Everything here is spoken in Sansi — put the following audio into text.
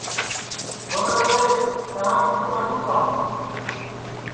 چھورا روہِیت چانٚھ کِدؔ ماڈُؔوں گا